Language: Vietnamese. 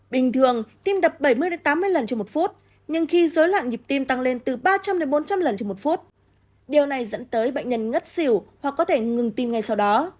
bình thường tim đập bảy mươi tám mươi lần trên một phút nhưng khi dối loạn nhịp tim tăng lên từ ba trăm linh bốn trăm linh lần trên một phút điều này dẫn tới bệnh nhân ngất xỉu hoặc có thể ngừng tim ngay sau đó